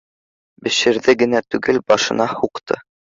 Бешерҙе генә түгел, башына һуҡты